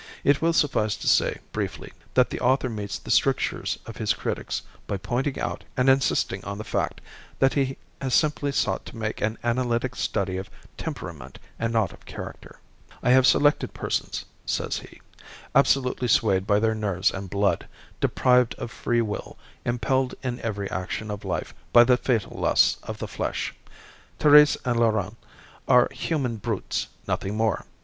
It will suffice to say, briefly, that the author meets the strictures of his critics by pointing out and insisting on the fact, that he has simply sought to make an analytic study of temperament and not of character. "I have selected persons," says he, "absolutely swayed by their nerves and blood, deprived of free will, impelled in every action of life, by the fatal lusts of the flesh. Thérèse and Laurent are human brutes, nothing more.